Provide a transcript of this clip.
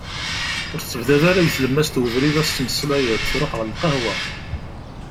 Ur ttebdad ara deg tlemmas n ubrid ad tettmmeslayeḍ, ruḥ ɣer lqahwa.